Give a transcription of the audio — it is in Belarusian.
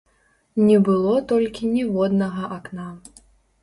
Не было толькі ніводнага акна.